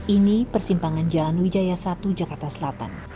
ini persimpangan jalan wijaya satu jakarta selatan